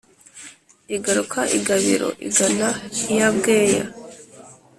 igaruka i gabiro igana iya bweya